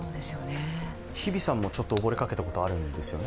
日比さんも溺れかけたことがあるんですよね。